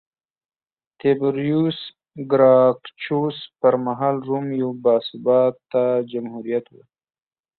تیبریوس ګراکچوس پرمهال روم یو باثباته جمهوریت و